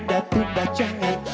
dapet dah jangan